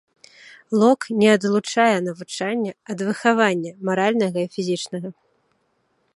Лок не адлучае навучання ад выхавання маральнага і фізічнага.